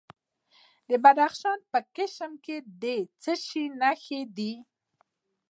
د بدخشان په کشم کې د څه شي نښې دي؟